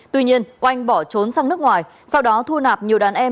tuy nhiên oanh bỏ trốn sang nước ngoài sau đó thu nạp nhiều đàn em